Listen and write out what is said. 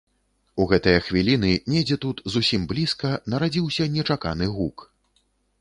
У гэтыя хвіліны, недзе тут зусім блізка, нарадзіўся нечаканы гук.